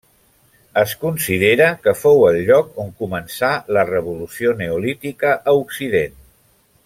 Es considera que fou el lloc on començà la revolució neolítica a Occident.